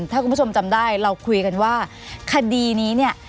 ถ้าคุณผู้ชมจำได้เราคุยกันว่าคดีนี้เนี่ย